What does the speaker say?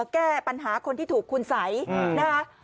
แก้ปัญหาคนที่ถูกคุณสัยนะคะ